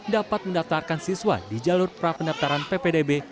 dapat mendaftarkan siswa di jalur pra pendaftaran ppdb